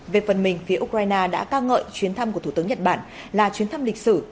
về phần mình phía ukraine đã ca ngợi chuyến thăm của thủ tướng nhật bản là chuyến thăm lịch sử